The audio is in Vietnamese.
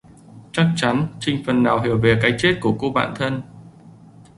Chắc chắn Trinh phần nào hiểu về cái chết của cô bạn thân